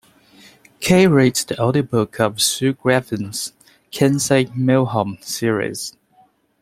Kaye reads the audiobook of Sue Grafton's "Kinsey Millhone" series.